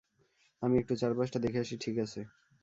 আমি একটু চারপাশটা দেখে আসি - ঠিক আছে।